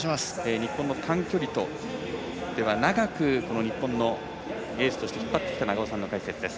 日本の短距離とでは長くこの日本のレースを引っ張ってきた永尾さんの解説です。